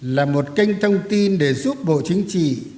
là một kênh thông tin để giúp bộ chính trị